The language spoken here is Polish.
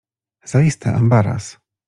Zaiste ambaras.